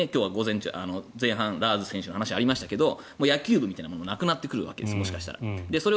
前半、ラーズ選手の話がありましたけど野球部みたいなものがなくなってくるわけです。